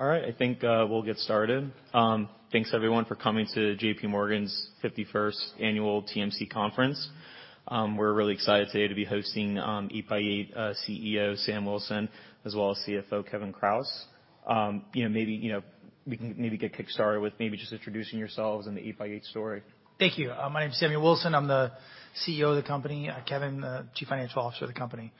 All right. I think we'll get started. Thanks everyone for coming to JPMorgan's 51st annual TMC conference. We're really excited today to be hosting 8x8 CEO, Sam Wilson, as well as CFO, Kevin Kraus. You know, maybe, you know, we can maybe get kick-started with maybe just introducing yourselves and the 8x8 story. Thank you. My name is Samuel Wilson. I'm the CEO of the company, Kevin, the Chief Financial Officer of the company.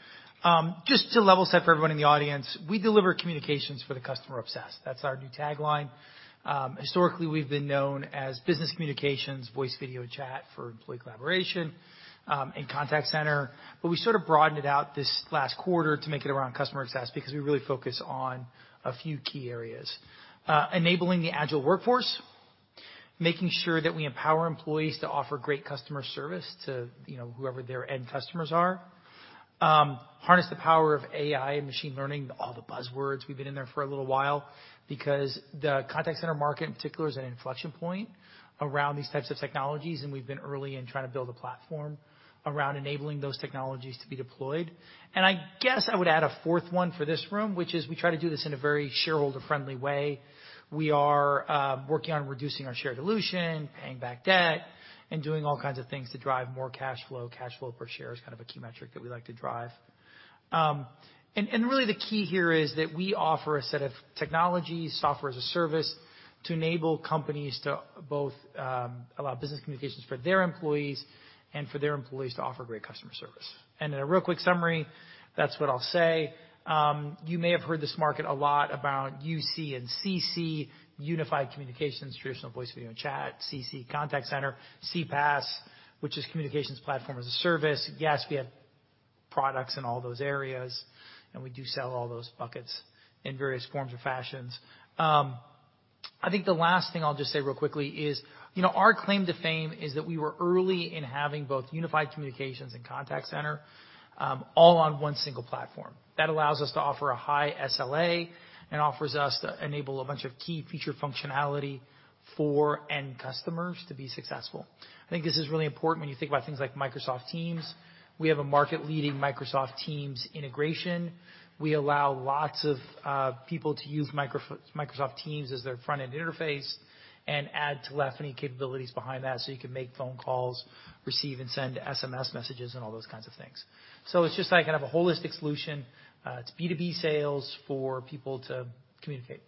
Just to level set for everyone in the audience, we deliver communications for the customer obsessed. That's our new tagline. Historically, we've been known as business communications, voice, video, and chat for employee collaboration, and contact center. We sort of broadened it out this last quarter to make it around customer success because we really focus on a few key areas. Enabling the agile workforce, making sure that we empower employees to offer great customer service to, you know, whoever their end customers are. Harness the power of AI and machine learning, all the buzzwords. We've been in there for a little while because the contact center market, in particular, is an inflection point around these types of technologies. We've been early in trying to build a platform around enabling those technologies to be deployed. I guess I would add a fourth one for this room, which is we try to do this in a very shareholder-friendly way. We are working on reducing our share dilution, paying back debt, and doing all kinds of things to drive more cash flow. Cash flow per share is kind of a key metric that we like to drive. And really the key here is that we offer a set of technologies, Software as a Service, to enable companies to both allow business communications for their employees and for their employees to offer great customer service. In a real quick summary, that's what I'll say. You may have heard this market a lot about UC and CC, unified communications, traditional voice video and chat, CC, contact center, CPaaS, which is communications platform as a service. Yes, we have products in all those areas, and we do sell all those buckets in various forms or fashions. I think the last thing I'll just say real quickly is, you know, our claim to fame is that we were early in having both unified communications and contact center, all on one single platform. That allows us to offer a high SLA and offers us to enable a bunch of key feature functionality for end customers to be successful. I think this is really important when you think about things like Microsoft Teams. We have a market-leading Microsoft Teams integration. We allow lots of people to use Microsoft Teams as their front-end interface and add telephony capabilities behind that so you can make phone calls, receive and send SMS messages, and all those kinds of things. It's just like kind of a holistic solution. It's B2B sales for people to communicate.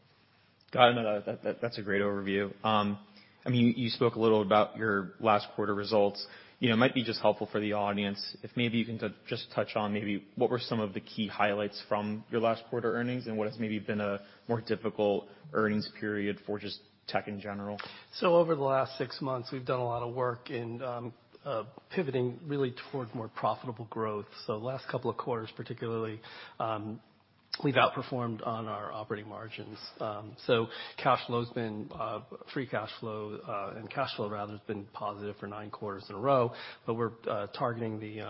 Got it. That's a great overview. I mean, you spoke a little about your last quarter results. You know, it might be just helpful for the audience if maybe you can just touch on maybe what were some of the key highlights from your last quarter earnings and what has maybe been a more difficult earnings period for just tech in general. Over the last six months, we've done a lot of work in pivoting really toward more profitable growth. The last couple of quarters, particularly, we've outperformed on our operating margins. Cash flow has been free cash flow, and cash flow rather has been positive for nine quarters in a row, but we're targeting the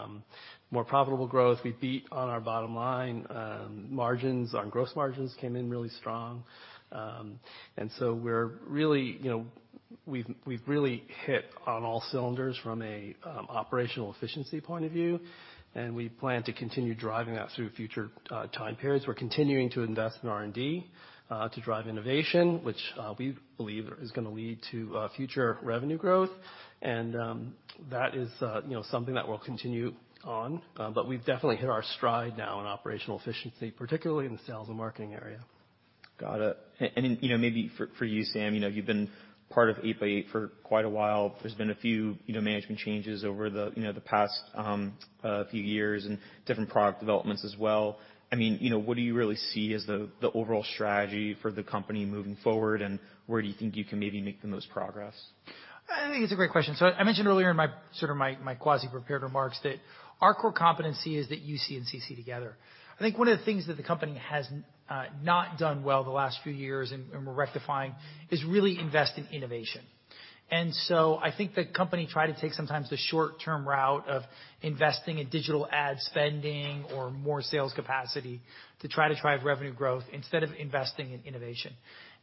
more profitable growth. We beat on our bottom line margins. Our gross margins came in really strong. We're really, you know, we've really hit on all cylinders from a operational efficiency point of view, and we plan to continue driving that through future time periods. We're continuing to invest in R&D to drive innovation, which we believe is gonna lead to future revenue growth. That is, you know, something that we'll continue on. We've definitely hit our stride now in operational efficiency, particularly in the sales and marketing area. Got it. you know, maybe for you, Sam, you know, you've been part of 8x8 for quite a while. There's been a few, you know, management changes over the, you know, the past few years and different product developments as well. I mean, you know, what do you really see as the overall strategy for the company moving forward, and where do you think you can maybe make the most progress? I think it's a great question. I mentioned earlier in my sort of my quasi-prepared remarks that our core competency is that UC and CC together. I think one of the things that the company has not done well the last few years and we're rectifying is really invest in innovation. I think the company tried to take sometimes the short-term route of investing in digital ad spending or more sales capacity to try to drive revenue growth instead of investing in innovation.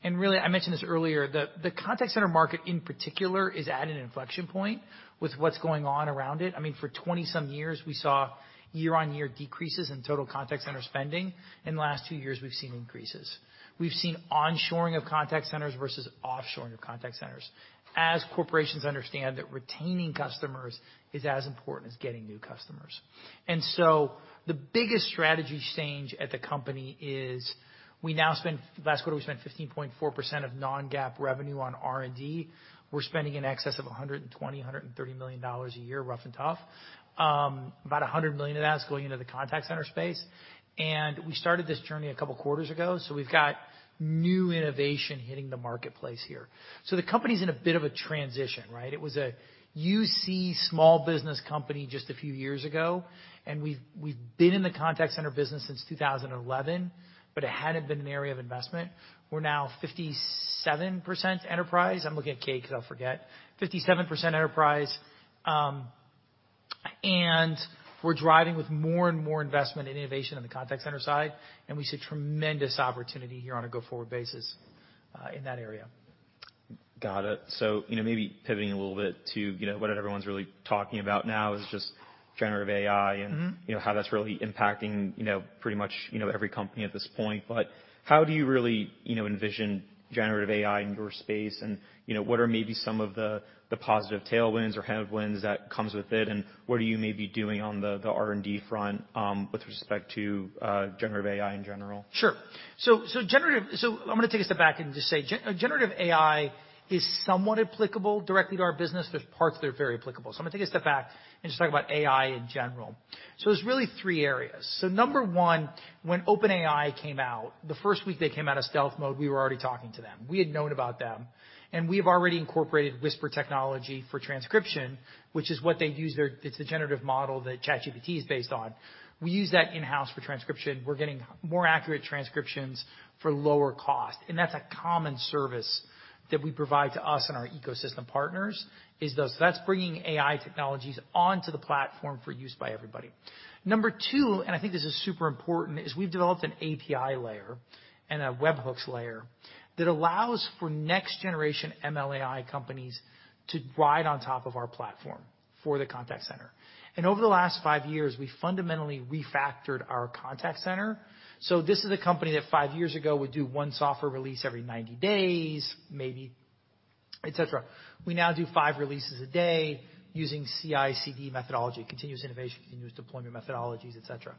I mentioned this earlier, the contact center market, in particular, is at an inflection point with what's going on around it. I mean, for 20 some years, we saw year-on-year decreases in total contact center spending. In the last two years, we've seen increases. We've seen onshoring of contact centers versus offshoring of contact centers as corporations understand that retaining customers is as important as getting new customers. The biggest strategy change at the company is last quarter, we spent 15.4% of non-GAAP revenue on R&D. We're spending in excess of $120 million-$130 million a year, rough and tough. About $100 million of that is going into the contact center space. We started this journey a couple quarters ago, so we've got new innovation hitting the marketplace here. The company's in a bit of a transition, right? It was a UC small business company just a few years ago, and we've been in the contact center business since 2011, but it hadn't been an area of investment. We're now 57% enterprise. I'm looking at Kate 'cause I'll forget. 57% enterprise, and we're driving with more and more investment in innovation on the contact center side, and we see tremendous opportunity here on a go-forward basis, in that area. Got it. You know, maybe pivoting a little bit to, you know, what everyone's really talking about now is just generative AI and- Mm-hmm. you know, how that's really impacting, you know, pretty much, you know, every company at this point. How do you really, you know, envision generative AI in your space and, you know, what are maybe some of the positive tailwinds or headwinds that comes with it? What are you maybe doing on the R&D front, with respect to generative AI in general? Sure. generative AI is somewhat applicable directly to our business. There's parts that are very applicable. I'm gonna take a step back and just talk about AI in general. There's really three areas. Number one, when OpenAI came out, the first week they came out of stealth mode, we were already talking to them. We had known about them, and we have already incorporated Whisper technology for transcription, which is what they use their. It's a generative model that ChatGPT is based on. We use that in-house for transcription. We're getting more accurate transcriptions for lower cost, and that's a common service that we provide to us and our ecosystem partners, is those. That's bringing AI technologies onto the platform for use by everybody. Number two, I think this is super important, is we've developed an API layer and a webhooks layer that allows for next generation MLAI companies to ride on top of our platform for the contact center. Over the last five years, we fundamentally refactored our contact center. This is a company that five years ago would do one software release every 90 days, maybe, et cetera. We now do five releases a day using CI/CD methodology, continuous innovation, continuous deployment methodologies, et cetera.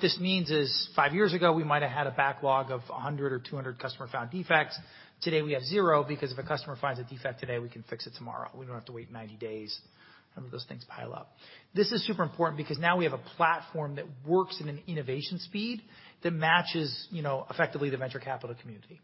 This means five years ago, we might have had a backlog of 100 or 200 customer-found defects. Today, we have zero because if a customer finds a defect today, we can fix it tomorrow. We don't have to wait 90 days. None of those things pile up. This is super important because now we have a platform that works in an innovation speed that matches, you know, effectively the venture capital community.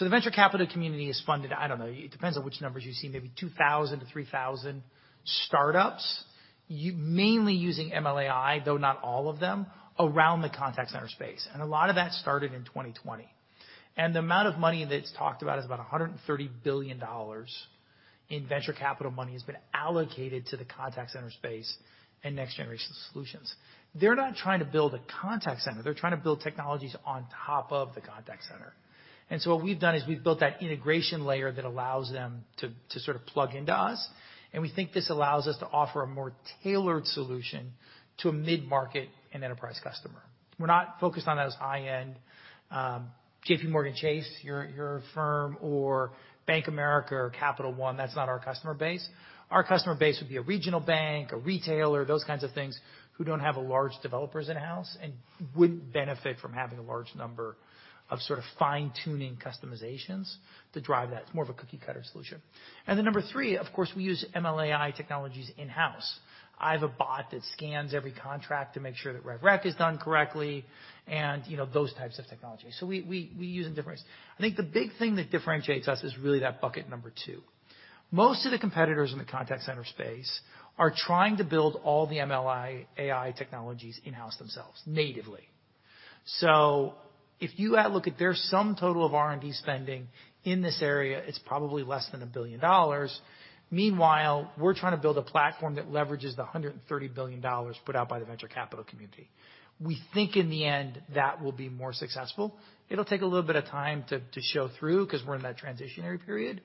The venture capital community is funded, I don't know, it depends on which numbers you see, maybe 2,000-3,000 startups, mainly using MLAI, though not all of them, around the contact center space. A lot of that started in 2020. The amount of money that's talked about is about $130 billion in venture capital money has been allocated to the contact center space and next generation solutions. They're not trying to build a contact center. They're trying to build technologies on top of the contact center. What we've done is we've built that integration layer that allows them to sort of plug into us, and we think this allows us to offer a more tailored solution to a mid-market and enterprise customer. We're not focused on those high-end, JPMorgan Chase, your firm or Bank of America or Capital One. That's not our customer base. Our customer base would be a regional bank, a retailer, those kinds of things, who don't have a large developers in-house and wouldn't benefit from having a large number of sort of fine-tuning customizations to drive that. It's more of a cookie cutter solution. Number three, of course, we use MLAI technologies in-house. I have a bot that scans every contract to make sure that rev rec is done correctly and, you know, those types of technologies. We use them differently. I think the big thing that differentiates us is really that bucket number two. Most of the competitors in the contact center space are trying to build all the MLAI technologies in-house themselves natively. If you look at their sum total of R&D spending in this area, it's probably less than $1 billion. Meanwhile, we're trying to build a platform that leverages the $130 billion put out by the venture capital community. We think in the end, that will be more successful. It'll take a little bit of time to show through 'cause we're in that transitionary period.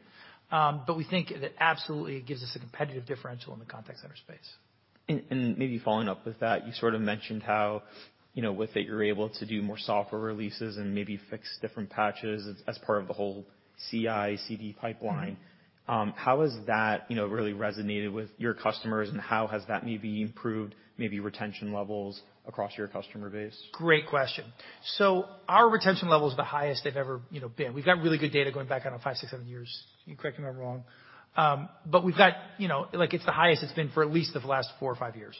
We think that absolutely gives us a competitive differential in the contact center space. Maybe following up with that, you sort of mentioned how, you know, with it, you're able to do more software releases and maybe fix different patches as part of the whole CI/CD pipeline. Mm-hmm. How has that, you know, really resonated with your customers, and how has that maybe improved retention levels across your customer base? Great question. Our retention level is the highest they've ever, you know, been. We've got really good data going back on five, six, seven years. You correct me if I'm wrong. We've got, you know... Like, it's the highest it's been for at least the last four or five years.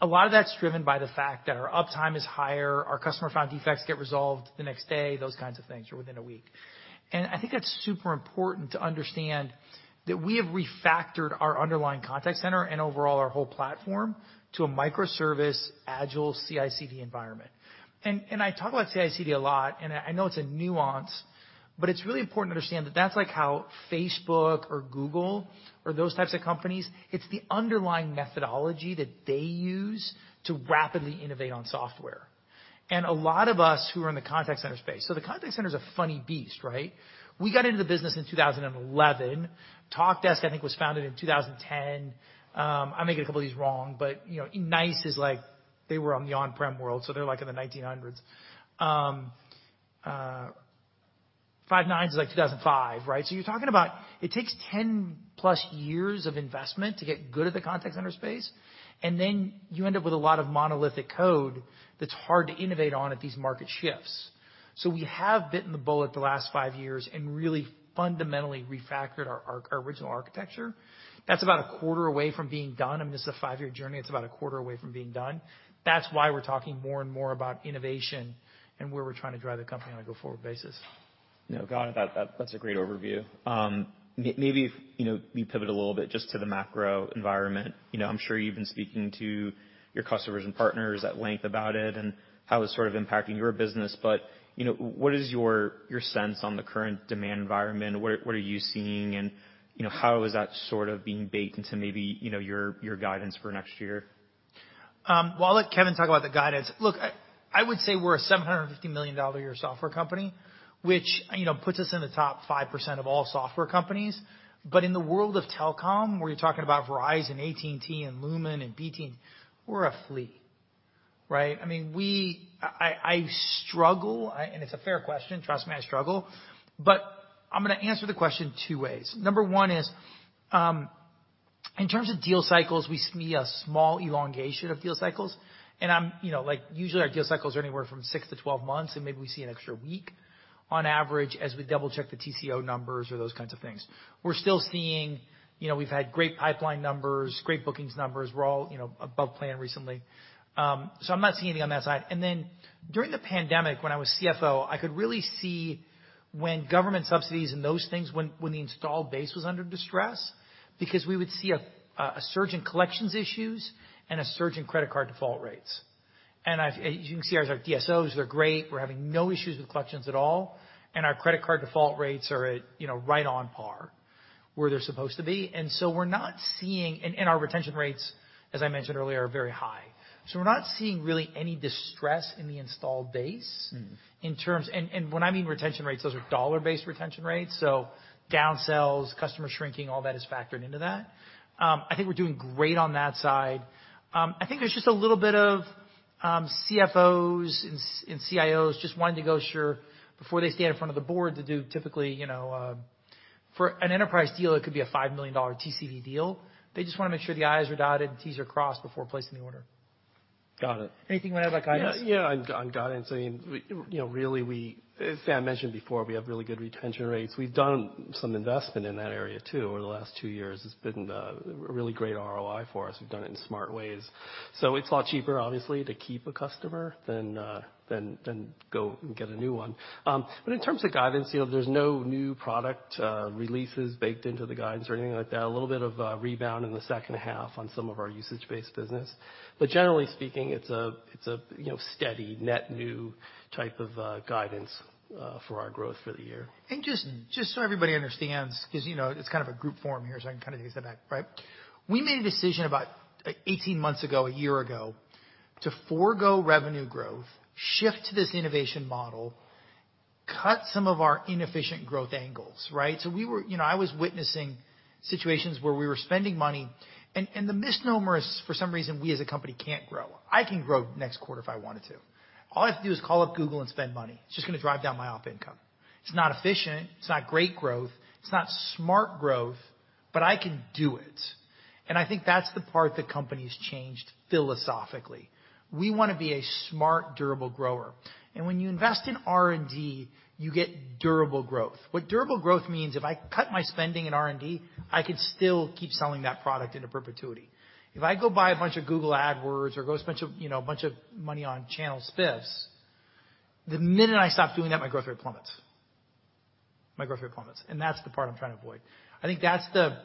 A lot of that's driven by the fact that our uptime is higher, our customer-found defects get resolved the next day, those kinds of things, or within a week. I think that's super important to understand that we have refactored our underlying contact center and overall our whole platform to a microservice, agile CI/CD environment. I talk about CI/CD a lot, and I know it's a nuance, but it's really important to understand that that's like how Facebook or Google or those types of companies, it's the underlying methodology that they use to rapidly innovate on software. A lot of us who are in the contact center space. The contact center is a funny beast, right? We got into the business in 2011. Talkdesk, I think, was founded in 2010. I may get a couple of these wrong, but, you know, NICE is like, they were on the on-prem world, so they're like in the 1900s. Five9 is like 2005, right? You're talking about it takes 10+ years of investment to get good at the contact center space, and then you end up with a lot of monolithic code that's hard to innovate on at these market shifts. We have bitten the bullet the last five years and really fundamentally refactored our original architecture. That's about a quarter away from being done. I mean, this is a 5-year journey. It's about a quarter away from being done. That's why we're talking more and more about innovation and where we're trying to drive the company on a go-forward basis. No. Got it. That's a great overview. Maybe if, you know, we pivot a little bit just to the macro environment. You know, I'm sure you've been speaking to your customers and partners at length about it and how it's sort of impacting your business. You know, what is your sense on the current demand environment? What are you seeing? You know, how is that sort of being baked into maybe, you know, your guidance for next year? Well, I'll let Kevin talk about the guidance. Look, I would say we're a $750 million a year software company, which, you know, puts us in the top 5% of all software companies. In the world of telecom, where you're talking about Verizon, AT&T, and Lumen and BT, we're a flea, right? I mean, I struggle. It's a fair question. Trust me, I struggle, but I'm gonna answer the question two ways. Number one is, in terms of deal cycles, we see a small elongation of deal cycles, and I'm, you know, like, usually our deal cycles are anywhere from 6-12 months, and maybe we see an extra week on average as we double-check the TCO numbers or those kinds of things. We're still seeing. You know, we've had great pipeline numbers, great bookings numbers. We're all, you know, above plan recently. I'm not seeing anything on that side. During the pandemic, when I was CFO, I could really see when government subsidies and those things, when the installed base was under distress, because we would see a surge in collections issues and a surge in credit card default rates. As you can see, our DSOs, they're great. We're having no issues with collections at all, and our credit card default rates are at, you know, right on par where they're supposed to be. Our retention rates, as I mentioned earlier, are very high. We're not seeing really any distress in the installed base. Mm-hmm. When I mean retention rates, those are dollar-based retention rates, so downsells, customer shrinking, all that is factored into that. I think we're doing great on that side. I think there's just a little bit of CFOs and CIOs just wanting to go sure before they stand in front of the board to do typically, you know, for an enterprise deal, it could be a $5 million TCV deal. They just wanna make sure the I's are dotted and T's are crossed before placing the order. Got it. Anything you wanna add about guidance? On guidance, I mean, we, you know, really as I mentioned before, we have really good retention rates. We've done some investment in that area too over the last two years. It's been a really great ROI for us. We've done it in smart ways. It's a lot cheaper, obviously, to keep a customer than go and get a new one. In terms of guidance, you know, there's no new product releases baked into the guidance or anything like that. A little bit of a rebound in the second half on some of our usage-based business. Generally speaking, it's a, you know, steady net new type of guidance for our growth for the year. Just so everybody understands, 'cause, you know, it's kind of a group forum here, so I can kinda take a step back, right? We made a decision about 18 months ago, a year ago, to forgo revenue growth, shift to this innovation model, cut some of our inefficient growth angles, right? We were, you know, I was witnessing situations where we were spending money. The misnomer is, for some reason, we as a company can't grow. I can grow next quarter if I wanted to. All I have to do is call up Google and spend money. It's just gonna drive down my op income. It's not efficient, it's not great growth, it's not smart growth, but I can do it. I think that's the part the company's changed philosophically. We wanna be a smart, durable grower. When you invest in R&D, you get durable growth. What durable growth means, if I cut my spending in R&D, I could still keep selling that product into perpetuity. If I go buy a bunch of Google Ads or go spend a, you know, a bunch of money on channel SPIFFs, the minute I stop doing that, my growth rate plummets. My growth rate plummets, and that's the part I'm trying to avoid. I think that's the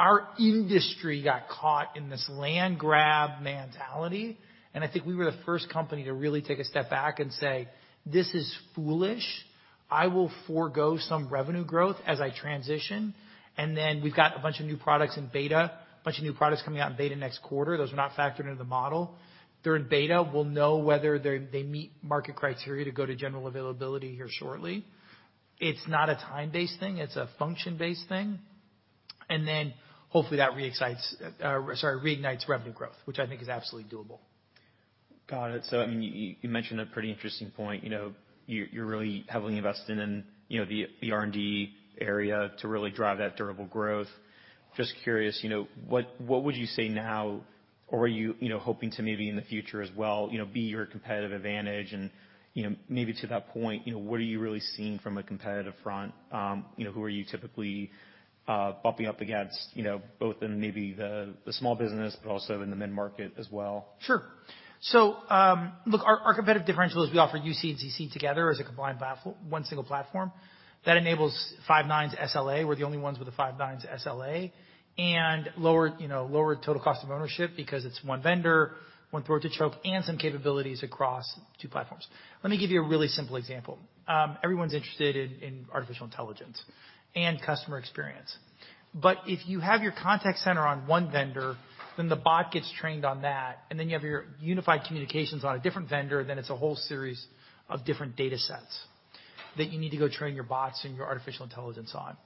Our industry got caught in this land grab mentality, and I think we were the first company to really take a step back and say, "This is foolish. I will forgo some revenue growth as I transition." Then we've got a bunch of new products in beta, a bunch of new products coming out in beta next quarter. Those are not factored into the model. They're in beta. We'll know whether they meet market criteria to go to general availability here shortly. It's not a time-based thing. It's a function-based thing. Hopefully that reignites revenue growth, which I think is absolutely doable. Got it. I mean, you mentioned a pretty interesting point. You know, you're really heavily invested in, you know, the R&D area to really drive that durable growth. Just curious, you know, what would you say now or are you know, hoping to maybe in the future as well, you know, be your competitive advantage? You know, maybe to that point, you know, what are you really seeing from a competitive front? You know, who are you typically bumping up against, you know, both in maybe the small business but also in the mid-market as well? Sure. look, our competitive differential is we offer UC and CC together as a combined one single platform. That enables five nines SLA. We're the only ones with a five nines SLA. lower, you know, lower total cost of ownership because it's one vendor, one throat to choke, and some capabilities across two platforms. Let me give you a really simple example. everyone's interested in artificial intelligence and customer experience, but if you have your contact center on one vendor, then the bot gets trained on that, and then you have your unified communications on a different vendor, then it's a whole series of different datasets that you need to go train your bots and your artificial intelligence on.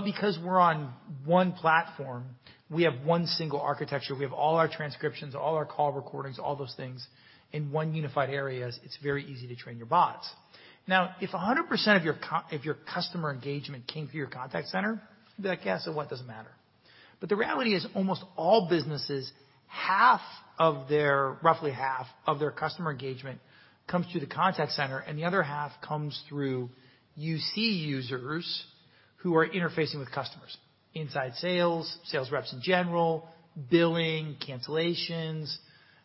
Because we're on one platform, we have one single architecture, we have all our transcriptions, all our call recordings, all those things in one unified area, it's very easy to train your bots. Now, if 100% of your customer engagement came through your contact center, be like, "Yeah, so what? Doesn't matter." The reality is almost all businesses, half of their, roughly half of their customer engagement comes through the contact center, and the other half comes through UC users who are interfacing with customers, inside sales reps in general, billing, cancellations,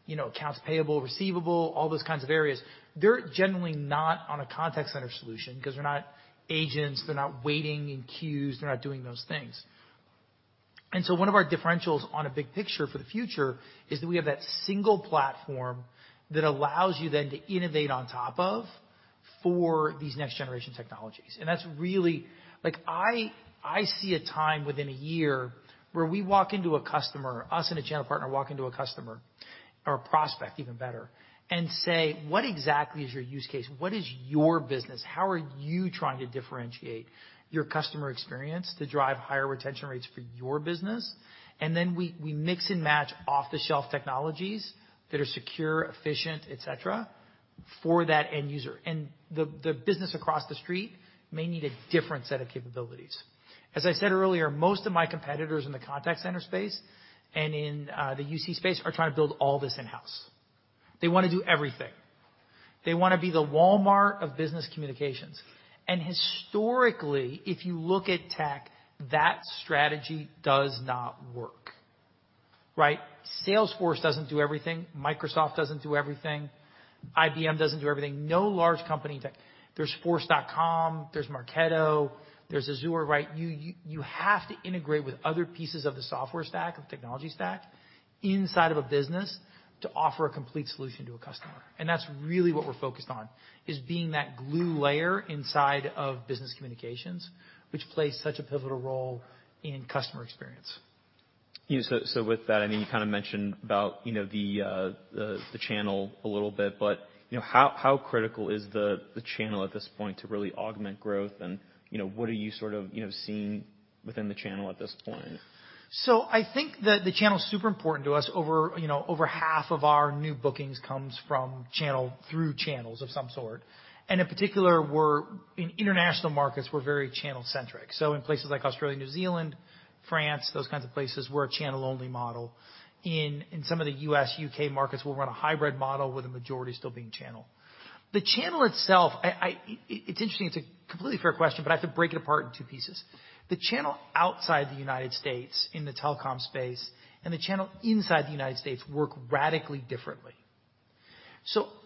you know, accounts payable, receivable, all those kinds of areas. They're generally not on a contact center solution 'cause they're not agents, they're not waiting in queues, they're not doing those things. One of our differentials on a big picture for the future is that we have that single platform that allows you then to innovate on top of for these next-generation technologies. That's really. Like, I see a time within a year where we walk into a customer, us and a channel partner walk into a customer or a prospect even better, and say, "What exactly is your use case? What is your business? How are you trying to differentiate your customer experience to drive higher retention rates for your business?" Then we mix and match off-the-shelf technologies that are secure, efficient, et cetera, for that end user. The business across the street may need a different set of capabilities. As I said earlier, most of my competitors in the contact center space and in the UC space are trying to build all this in-house. They wanna do everything. They wanna be the Walmart of business communications. Historically, if you look at tech, that strategy does not work, right? Salesforce doesn't do everything, Microsoft doesn't do everything, IBM doesn't do everything. No large company tech. There's Force.com, there's Marketo, there's Azure, right? You have to integrate with other pieces of the software stack, of technology stack inside of a business to offer a complete solution to a customer. That's really what we're focused on, is being that glue layer inside of business communications, which plays such a pivotal role in customer experience. Yeah. With that, I mean, you kinda mentioned about, you know, the channel a little bit. You know, how critical is the channel at this point to really augment growth? You know, what are you sort of, you know, seeing within the channel at this point? I think the channel is super important to us. Over, you know, over half of our new bookings comes from channel, through channels of some sort. In particular, in international markets, we're very channel-centric. In places like Australia, New Zealand, France, those kinds of places, we're a channel-only model. In some of the U.S., U.K. markets, we'll run a hybrid model with the majority still being channel. The channel itself, it's interesting, it's a completely fair question, but I have to break it apart in two pieces. The channel outside the United States in the telecom space and the channel inside the United States work radically differently.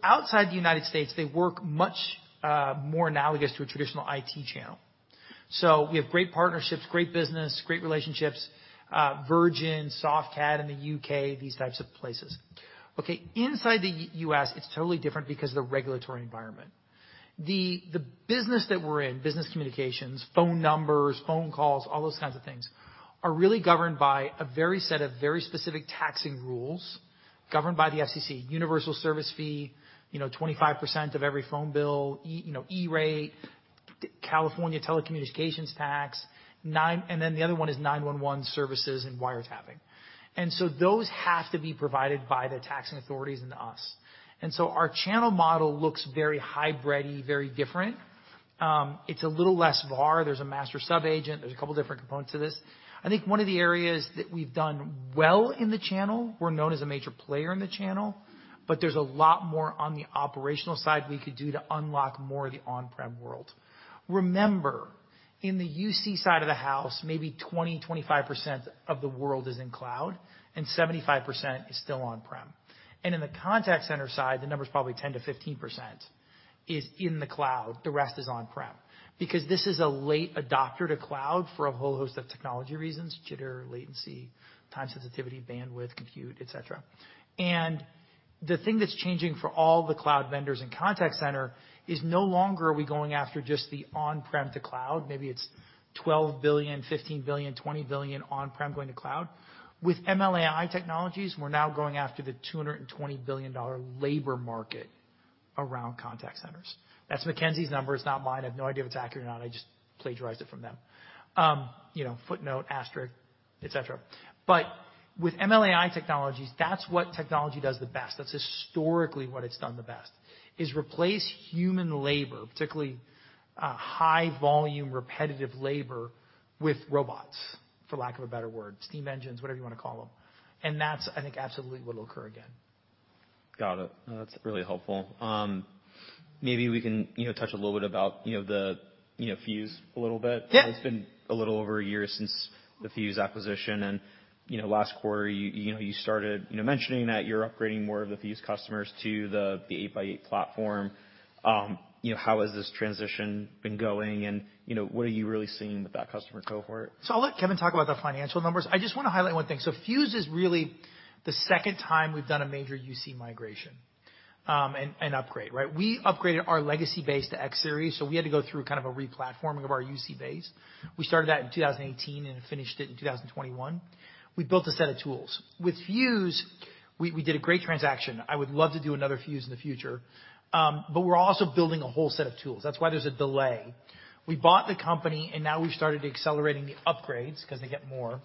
Outside the United States, they work much more analogous to a traditional IT channel. We have great partnerships, great business, great relationships, Virgin, Softcat in the U.K., these types of places. Okay, inside the U.S., it's totally different because of the regulatory environment. The business that we're in, business communications, phone numbers, phone calls, all those kinds of things, are really governed by a very set of very specific taxing rules governed by the FCC. Universal service fee, you know, 25% of every phone bill, you know, E-rate, California telecommunications tax, the other one is 911 services and wiretapping. Those have to be provided by the taxing authorities and to us. Our channel model looks very hybrid-y, very different. It's a little less VAR. There's a master sub-agent, there's a couple different components to this. I think one of the areas that we've done well in the channel, we're known as a major player in the channel, but there's a lot more on the operational side we could do to unlock more of the on-prem world. Remember, in the UC side of the house, maybe 20%-25% of the world is in cloud, and 75% is still on-prem. In the contact center side, the number is probably 10%-15% is in the cloud, the rest is on-prem. Because this is a late adopter to cloud for a whole host of technology reasons: jitter, latency, time sensitivity, bandwidth, compute, et cetera. The thing that's changing for all the cloud vendors and contact center is no longer are we going after just the on-prem to cloud. Maybe it's $12 billion, $15 billion, $20 billion on-prem going to cloud. With MLAI technologies, we're now going after the $220 billion labor market around contact centers. That's McKinsey's number, it's not mine. I have no idea if it's accurate or not. I just plagiarized it from them. You know, footnote, asterisk, et cetera. With MLAI technologies, that's what technology does the best. That's historically what it's done the best, is replace human labor, particularly, high volume, repetitive labor with robots, for lack of a better word, steam engines, whatever you wanna call them. That's, I think, absolutely what will occur again. Got it. That's really helpful. Maybe we can, you know, touch a little bit about, you know, the, you know, Fuze a little bit. Yeah. It's been a little over a year since the Fuze acquisition and, you know, last quarter, you know, you started, you know, mentioning that you're upgrading more of the Fuze customers to the 8x8 platform. You know, how has this transition been going? You know, what are you really seeing with that customer cohort? I'll let Kevin talk about the financial numbers. I just wanna highlight one thing. Fuze is really the second time we've done a major UC migration, and upgrade, right? We upgraded our legacy base to X Series, so we had to go through kind of a replatforming of our UC base. We started that in 2018 and finished it in 2021. We built a set of tools. With Fuze, we did a great transaction. I would love to do another Fuze in the future. We're also building a whole set of tools. That's why there's a delay. We bought the company, and now we've started accelerating the upgrades, 'cause they get more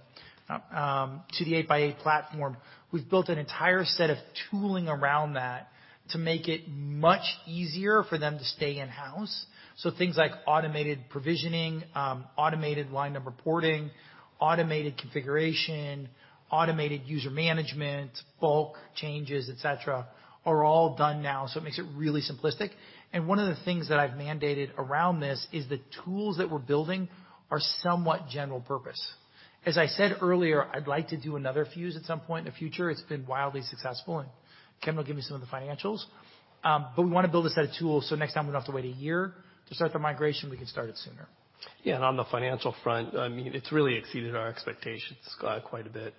to the 8x8 platform. We've built an entire set of tooling around that to make it much easier for them to stay in-house. Things like automated provisioning, automated line of reporting, automated configuration, automated user management, bulk changes, et cetera, are all done now, so it makes it really simplistic. One of the things that I've mandated around this is the tools that we're building are somewhat general purpose. As I said earlier, I'd like to do another Fuze at some point in the future. It's been wildly successful, and Kevin will give you some of the financials. We wanna build a set of tools, so next time we don't have to wait a year to start the migration, we can start it sooner. Yeah. On the financial front, I mean, it's really exceeded our expectations quite a bit.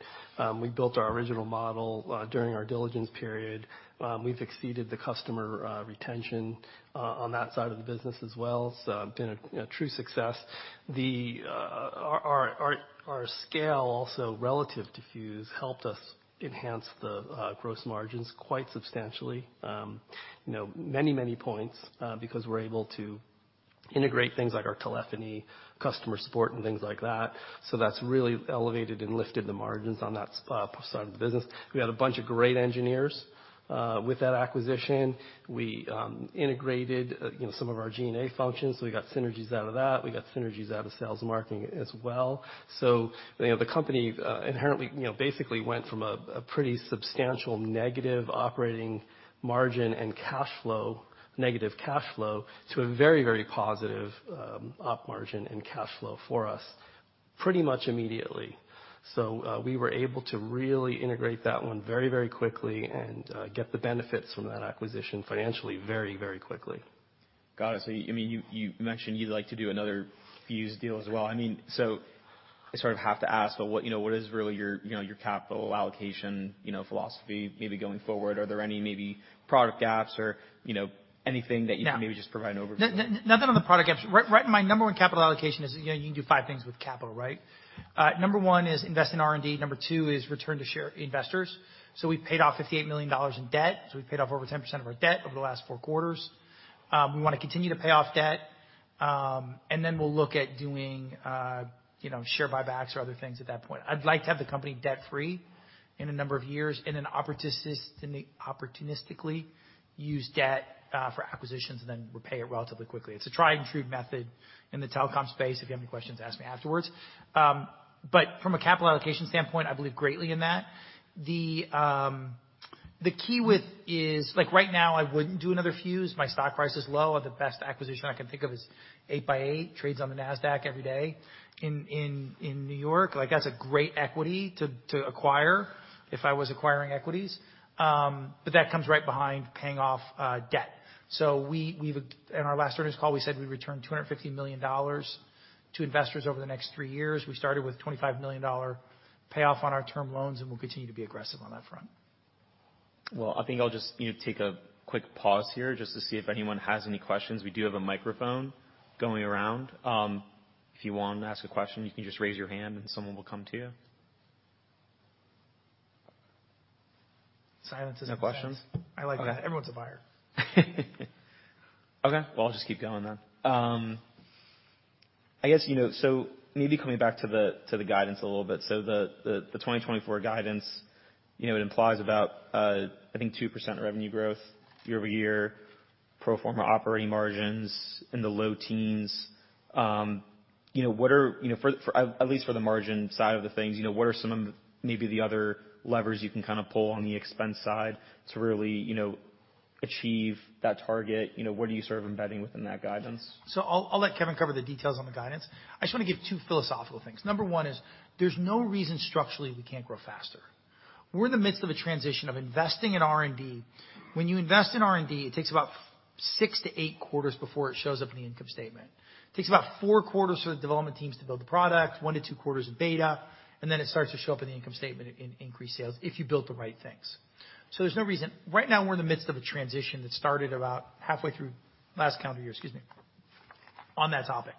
We built our original model during our diligence period. We've exceeded the customer retention on that side of the business as well. Been a true success. Our scale also relative to Fuze helped us enhance the gross margins quite substantially, you know, many points, because we're able to integrate things like our telephony customer support and things like that. That's really elevated and lifted the margins on that side of the business. We had a bunch of great engineers with that acquisition. We integrated, you know, some of our G&A functions, we got synergies out of that. We got synergies out of sales and marketing as well. you know, the company, inherently, you know, basically went from a pretty substantial negative operating margin and cash flow to a very, very positive Op margin and cash flow for us pretty much immediately. We were able to really integrate that one very, very quickly and get the benefits from that acquisition financially very, very quickly. Got it. I mean, you mentioned you'd like to do another Fuze deal as well. I mean, I sort of have to ask, but what, you know, is really your, you know, capital allocation, you know, philosophy maybe going forward? Are there any maybe product gaps or, you know, anything that you can maybe just provide an overview? Nothing on the product gaps. Right, in my number one capital allocation is, you know, you can do five things with capital, right? Number one is invest in R&D. Number two is return to share investors. We paid off $58 million in debt, so we paid off over 10% of our debt over the last four quarters. We wanna continue to pay off debt, and then we'll look at doing, you know, share buybacks or other things at that point. I'd like to have the company debt-free in a number of years and then opportunistically use debt for acquisitions and then repay it relatively quickly. It's a tried and true method in the telecom space, if you have any questions, ask me afterwards. From a capital allocation standpoint, I believe greatly in that. The key with, like right now, I wouldn't do another Fuze. My stock price is low, the best acquisition I can think of is 8x8 trades on the Nasdaq every day in New York. Like, that's a great equity to acquire if I was acquiring equities. That comes right behind paying off debt. In our last earnings call, we said we'd return $250 million to investors over the next three years. We started with $25 million payoff on our term loans, and we'll continue to be aggressive on that front. Well, I think I'll just, you know, take a quick pause here just to see if anyone has any questions. We do have a microphone going around. If you want to ask a question, you can just raise your hand and someone will come to you. Silence is- No questions? I like that. Everyone's a buyer. Okay. Well, I'll just keep going then. I guess, you know, so maybe coming back to the guidance a little bit. The 2024 guidance, you know, it implies about, I think 2% revenue growth year-over-year, pro forma operating margins in the low teens. You know, what are, you know, at least for the margin side of the things, you know, what are some of maybe the other levers you can kinda pull on the expense side to really, you know, achieve that target? You know, what are you sort of embedding within that guidance? I'll let Kevin cover the details on the guidance. I just want to give two philosophical things. Number one, there's no reason structurally we can't grow faster. We're in the midst of a transition of investing in R&D. When you invest in R&D, it takes about six-eight quarters before it shows up in the income statement. It takes about four quarters for the development teams to build the product, one to two quarters of beta, and then it starts to show up in the income statement in increased sales if you built the right things. There's no reason. Right now, we're in the midst of a transition that started about halfway through last calendar year, excuse me, on that topic.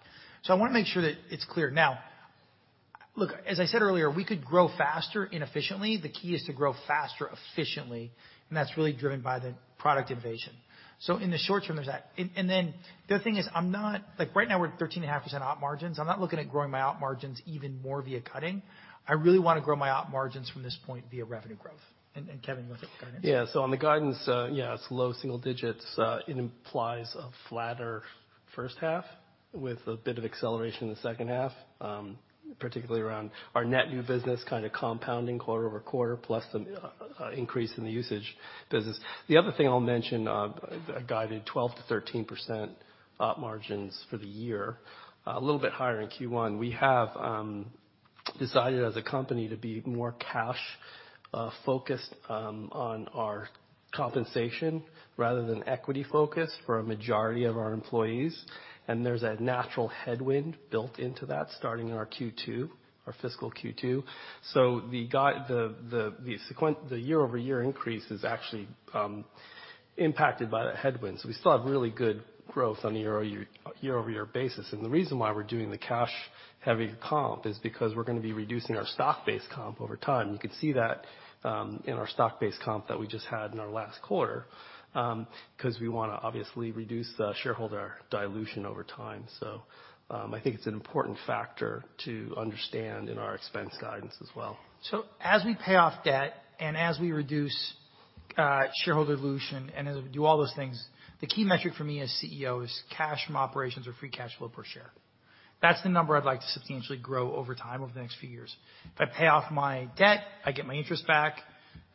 I want to make sure that it's clear. Now, look, as I said earlier, we could grow faster inefficiently. The key is to grow faster efficiently, and that's really driven by the product innovation. In the short term, there's that. The other thing is I'm not like right now, we're at 13.5% op margins. I'm not looking at growing my op margins even more via cutting. I really wanna grow my op margins from this point via revenue growth. Kevin with the guidance. On the guidance, it's low single digits. It implies a flatter first half with a bit of acceleration in the second half, particularly around our net new business kinda compounding quarter-over-quarter, plus the increase in the usage business. The other thing I'll mention, guided 12%-13% op margins for the year, a little bit higher in Q1. We have decided as a company to be more cash focused on our compensation rather than equity focused for a majority of our employees, there's a natural headwind built into that starting in our Q2, our fiscal Q2. The year-over-year increase is actually impacted by the headwinds. We still have really good growth on a year-over-year basis. The reason why we're doing the cash-heavy comp is because we're gonna be reducing our stock-based comp over time. You could see that in our stock-based comp that we just had in our last quarter, 'cause we wanna obviously reduce the shareholder dilution over time. I think it's an important factor to understand in our expense guidance as well. As we pay off debt and as we reduce shareholder dilution and as we do all those things, the key metric for me as CEO is cash from operations or free cash flow per share. That's the number I'd like to substantially grow over time over the next few years. If I pay off my debt, I get my interest back.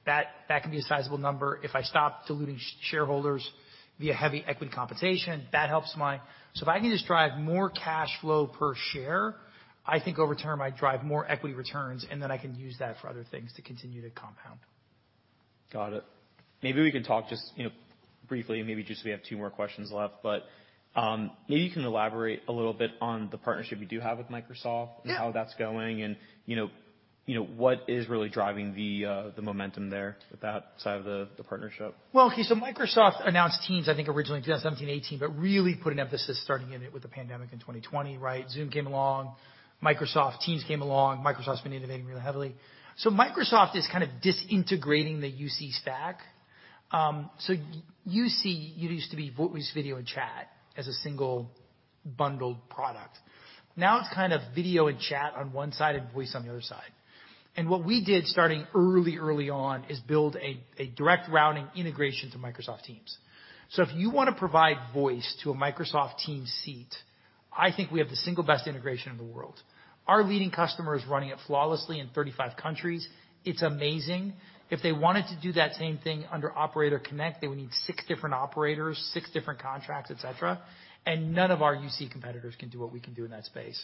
That can be a sizable number. If I stop diluting shareholders via heavy equity compensation, that helps my... If I can just drive more cash flow per share, I think over time, I drive more equity returns, and then I can use that for other things to continue to compound. Got it. Maybe we can talk just, you know, briefly, and maybe just we have two more questions left, but, maybe you can elaborate a little bit on the partnership you do have with Microsoft... Yeah How that's going and you know, what is really driving the momentum there with that side of the partnership. Microsoft announced Teams, I think, originally 2017, 2018, but really put an emphasis starting in it with the pandemic in 2020, right? Zoom came along, Microsoft Teams came along. Microsoft's been innovating really heavily. Microsoft is kind of disintegrating the UC stack. UC, it used to be voice, video and chat as a single bundled product. Now it's kind of video and chat on one side and voice on the other side. What we did starting early on is build a direct routing integration to Microsoft Teams. If you wanna provide voice to a Microsoft Teams seat, I think we have the single best integration in the world. Our leading customer is running it flawlessly in 35 countries. It's amazing. If they wanted to do that same thing under Operator Connect, they would need six different operators, six different contracts, et cetera. None of our UC competitors can do what we can do in that space,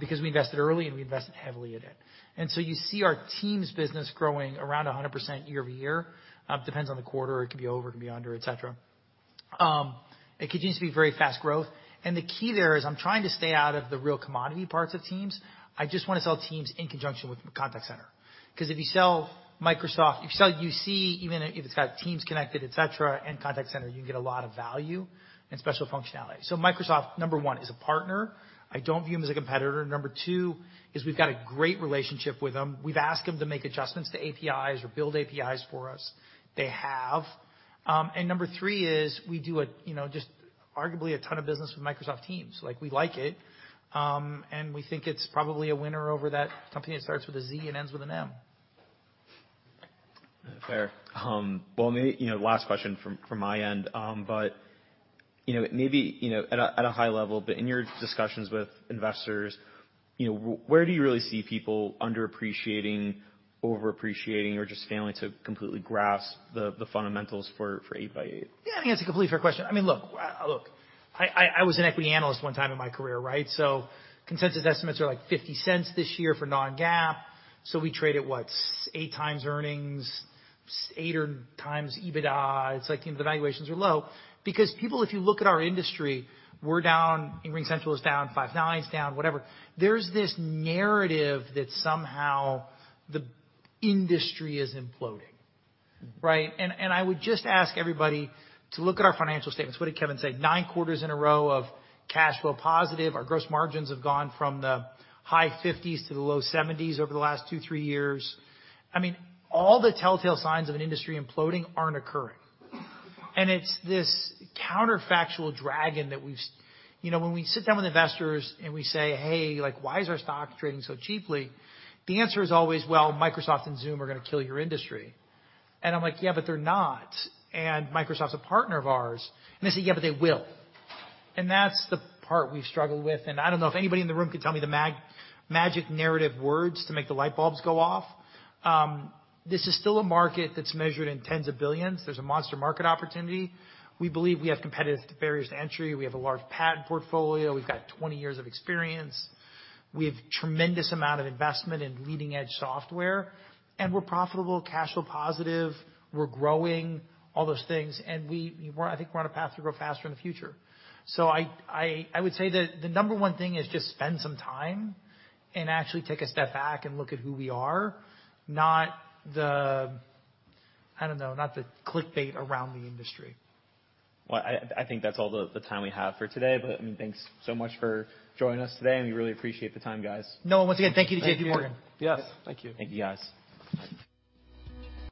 because we invested early and we invested heavily in it. You see our Teams business growing around 100% year-over-year. Depends on the quarter. It could be over, it could be under, et cetera. It continues to be very fast growth. The key there is I'm trying to stay out of the real commodity parts of Teams. I just wanna sell Teams in conjunction with Contact Center. 'Cause if you sell Microsoft, if you sell UC, even if it's got Teams connected, et cetera, and Contact Center, you get a lot of value and special functionality. Microsoft, number one, is a partner. I don't view them as a competitor. Number two is we've got a great relationship with them. We've asked them to make adjustments to APIs or build APIs for us. They have. Number three is we do a, you know, just arguably a ton of business with Microsoft Teams. Like, we like it, and we think it's probably a winner over that company that starts with a Z and ends with an M. Fair. you know, last question from my end. you know, maybe, you know, at a high level, but in your discussions with investors, you know, where do you really see people underappreciating, overappreciating, or just failing to completely grasp the fundamentals for 8x8? Yeah, I think that's a completely fair question. I mean, look, I was an equity analyst one time in my career, right? Consensus estimates are like $0.50 this year for non-GAAP. So we trade at, what? eight times earnings, eight times EBITDA. It's like, you know, the valuations are low because people, if you look at our industry, we're down, RingCentral is down, Five9 is down, whatever. There's this narrative that somehow the industry is imploding, right? And I would just ask everybody to look at our financial statements. What did Kevin say? nine quarters in a row of cash flow positive. Our gross margins have gone from the high 50s to the low 70s over the last two, three years. I mean, all the telltale signs of an industry imploding aren't occurring. It's this counterfactual dragon that we've... You know, when we sit down with investors and we say, "Hey, like, why is our stock trading so cheaply?" The answer is always, "Well, Microsoft and Zoom are gonna kill your industry." I'm like, "Yeah, but they're not. Microsoft's a partner of ours." They say, "Yeah, but they will." That's the part we've struggled with, and I don't know if anybody in the room could tell me the magic narrative words to make the light bulbs go off. This is still a market that's measured in tens of billions. There's a monster market opportunity. We believe we have competitive barriers to entry. We have a large patent portfolio. We've got 20 years of experience. We have tremendous amount of investment in leading-edge software, and we're profitable, cash flow positive, we're growing, all those things, and I think we're on a path to grow faster in the future. I would say that the number one thing is just spend some time and actually take a step back and look at who we are, not the, I don't know, not the clickbait around the industry. Well, I think that's all the time we have for today, but, I mean, thanks so much for joining us today, and we really appreciate the time, guys. once again, thank you to JPMorgan. Thank you. Yes. Thank you. Thank you, guys. Bye.